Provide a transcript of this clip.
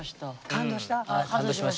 感動した？